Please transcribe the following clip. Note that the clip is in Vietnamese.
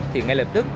thì ngay lập tức